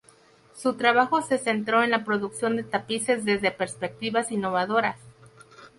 Su trabajo se centró en la producción de tapices desde perspectivas innovadoras.